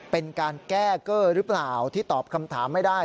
เป็นการแก้เกอร์หรือเปล่าที่ตอบคำถามไม่ได้